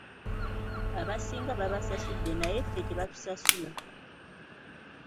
Abasinga babasasudde naye ffe tebatusasula.